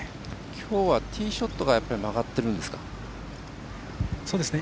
きょうはティーショットがやっぱり曲がっているんですか？